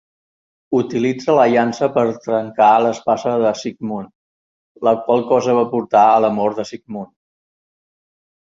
Utilitza la llança per trencar l'espasa de Siegmund, la qual cosa va portar a la mort del Siegmund.